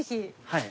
はい。